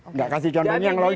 nggak kasih contohnya yang lain